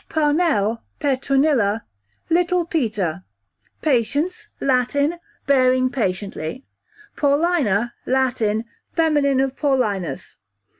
Parnell / Petronilla, little Peter. Patience, Latin, bearing patiently. Paulina, Latin, feminine of Paulinus.